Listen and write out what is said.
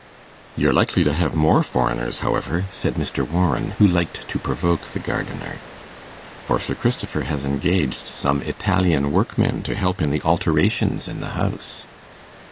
'You're likely to have more foreigners, however,' said Mr. Warren, who liked to provoke the gardener, 'for Sir Christopher has engaged some Italian workmen to help in the alterations in the house.